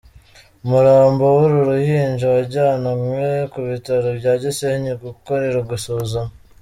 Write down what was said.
Umurambo w’uru ruhinja wajyanwe ku Bitaro bya Gisenyi gukorerwa isuzuma.